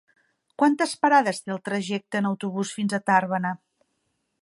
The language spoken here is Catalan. Quantes parades té el trajecte en autobús fins a Tàrbena?